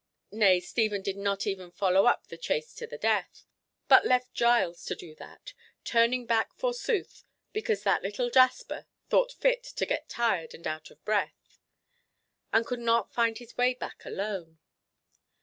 Nay, Stephen did not even follow up the chase to the death, but left Giles to do that, turning back forsooth because that little Jasper thought fit to get tired and out of breath, and could not find his way back alone.